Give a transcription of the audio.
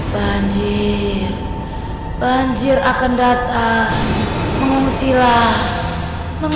suara gemelannya dari mana